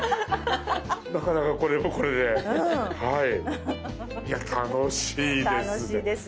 なかなかこれもこれで楽しいです。